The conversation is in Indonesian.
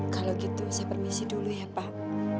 kalau gitu saya permisi dulu ya pak